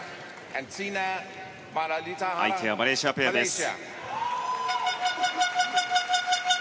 相手はマレーシアペアです。